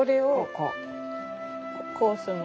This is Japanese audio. こうするの？